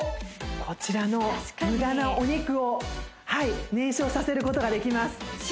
こちらの無駄なお肉を確かにはい燃焼させることができます